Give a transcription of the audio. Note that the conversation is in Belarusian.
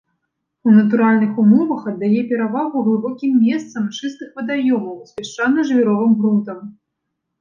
У натуральных умовах аддае перавагу глыбокім месцам чыстых вадаёмаў з пясчана-жвіровым грунтам.